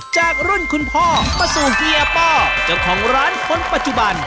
จากรุ่นคุณพ่อมาสู่เฮียป้อเจ้าของร้านคนปัจจุบัน